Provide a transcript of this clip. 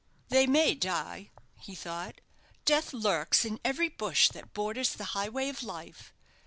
"They may die," he thought; "death lurks in every bush that borders the highway of life.